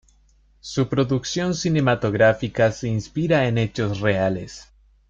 Su producción cinematográfica se inspira en hechos reales.